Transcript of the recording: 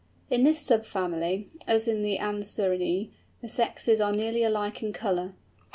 In this sub family, as in the Anserinæ, the sexes are nearly alike in colour.